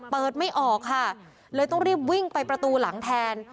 เปิดไม่ออกค่ะเลยต้องรีบวิ่งไปประตูหลังแทน